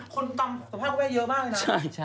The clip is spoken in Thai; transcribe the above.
คนตามสภาพไว้เยอะมากนะ